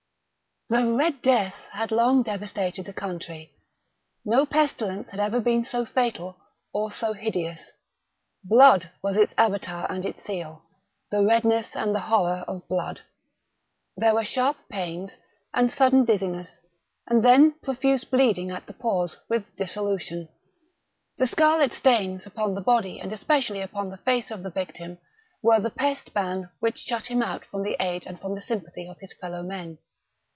The "Red Death" had long devastated the country. No pestilence had ever been so fatal, or so hideous. Blood was its Avatar and its seal—the redness and the horror of blood. There were sharp pains, and sudden dizziness, and then profuse bleeding at the pores, with dissolution. The scarlet stains upon the body and especially upon the face of the victim, were the pest ban which shut him out from the aid and from the sympathy of his fellow men.